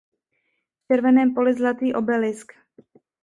V červeném poli zlatý obelisk.